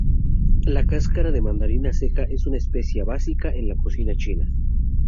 La cáscara de mandarina seca es una especia básica en la cocina china.